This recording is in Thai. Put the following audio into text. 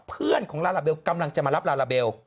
เพื่อนของลาลาเบลกำลังจะมารับลาลาเบล